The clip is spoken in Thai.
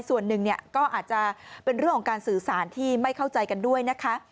ส่วนหนึ่งก็อาจจะเป็นเรื่องของการสื่อสารที่ไม่เข้าใจกันด้วยนะคะ